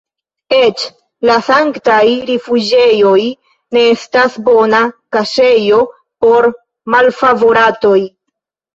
Eĉ la sanktaj rifuĝejoj ne estas bona kaŝejo por malfavoratoj!